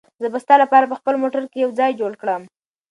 زه به ستا لپاره په خپل موټر کې یو ځای جوړ کړم.